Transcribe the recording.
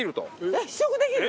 えっ試食できる？